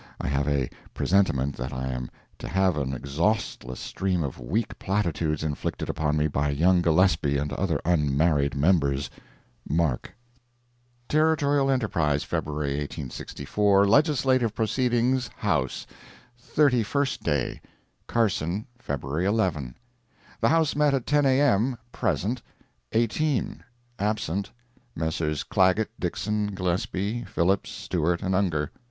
I have a presentiment that I am to have an exhaustless stream of weak platitudes inflicted upon me by Young Gillespie and other unmarried members.—MARK.] Territorial Enterprise, February 1864 LEGISLATIVE PROCEEDINGS HOUSE—THIRTY FIRST DAY CARSON, February 11 The House met at 10 A.M. Present, 18. Absent, Messrs. Clagett, Dixson, Gillespie, Phillips, Stewart and Ungar.